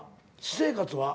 私生活は？